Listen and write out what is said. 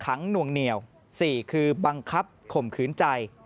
หลังนวงเหนียวสี่คือบังคับขมขืนใจ